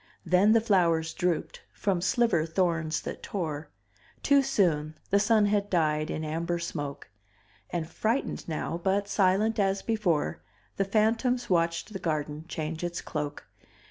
Then the flowers drooped, from sliver thorns that tore; Too soon the sun had died in amber smoke, And frightened now but silent as before The phantoms watched the garden change its cloak.